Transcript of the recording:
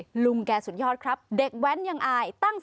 โอ้โหคนดูเป็นล้านเลยนะ